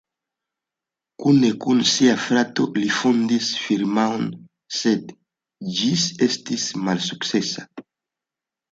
Kune kun sia frato li fondis firmaon, sed ĝis estis malsukcesa.